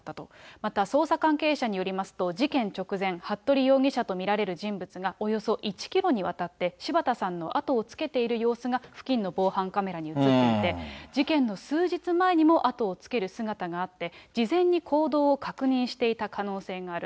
また、捜査関係者によりますと、事件直前、服部容疑者と見られる人物が、およそ１キロにわたって柴田さんの後をつけている様子が付近の防犯カメラに写っていて、事件の数日前にも後をつける姿があって、事前に行動を確認していた可能性がある。